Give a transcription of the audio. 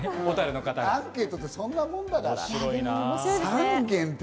アンケートってそんなもんだから。